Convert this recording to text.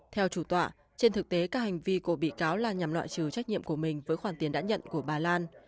theo chủ tọa trên thực tế các hành vi của bị cáo là nhằm loại trừ trách nhiệm của mình với khoản tiền đã nhận của bà lan